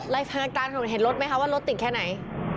ไล่ฟันกันกันเห็นรถไหมครับว่ารถติดแค่ไหน